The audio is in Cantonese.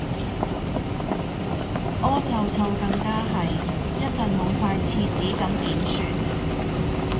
屙臭臭更加係，一陣冇晒廁紙咁點算